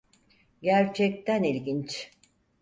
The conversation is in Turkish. Gerçekten ilginç.